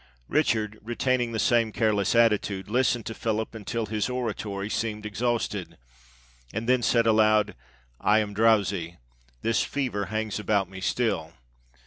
Richard, retaining the same careless attitude, listened to PhiHp until his oratory seemed exhausted, and then said aloud, "I am drowsy — this fever hangs about me still.